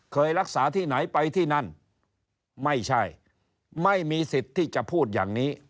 เคยรักษาที่ไหนไปที่นั่นไม่ใช่ไม่มีสิทธิ์ที่จะพูดอย่างนี้